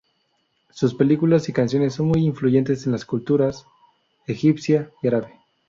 Sus películas y canciones son muy influyentes en las culturas egipcia y árabe.